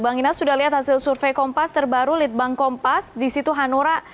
bang inas sudah lihat hasil survei kompas terbaru litbang kompas di situ hanura